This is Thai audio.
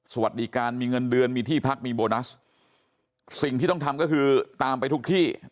สวัสดีการมีเงินเดือนมีที่พักมีโบนัสสิ่งที่ต้องทำก็คือตามไปทุกที่